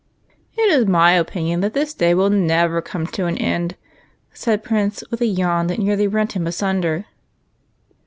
" It is my opinion that this day will never come to an end," said Prince, with a yawn that nearly rent him asunder.